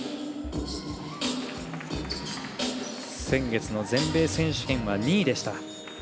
先月の全米選手権は２位でした。